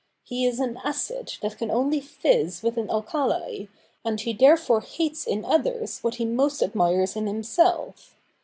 He is an acid that can only fizz with an alkali, and he therefore hates in others what he most admires in himself.